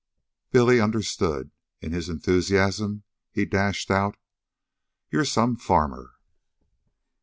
Billy understood. In his enthusiasm he dashed out: "You're some farmer."